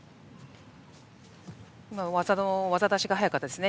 技出しが速かったですね